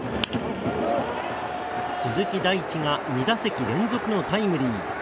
鈴木大地が２打席連続のタイムリー。